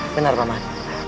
benar pak mat